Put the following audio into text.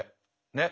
ねっ。